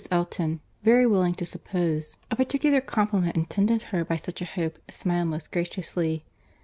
Elton, very willing to suppose a particular compliment intended her by such a hope, smiled most graciously.